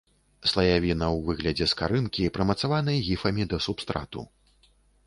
Слаявіна ў выглядзе скарынкі, прымацаванай гіфамі да субстрату.